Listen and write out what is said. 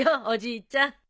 おじいちゃん。